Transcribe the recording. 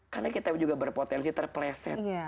karena kita juga berpotensi terpleset